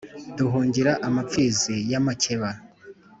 duhungira amapfizi y’amakeba,